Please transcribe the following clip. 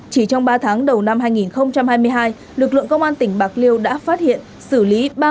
chỉ trong ba tháng đầu năm hai nghìn hai mươi hai lực lượng công an tỉnh bạc liêu đã phát hiện xử lý